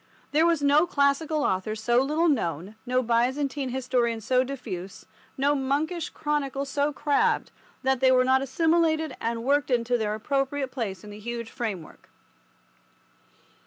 There was no classical author so little known, no Byzantine historian so diffuse, no monkish chronicle so crabbed, that they were not assimilated and worked into their appropriate place in the huge framework.